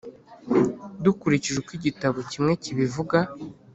dukurikije uko igitabo kimwe kibivuga,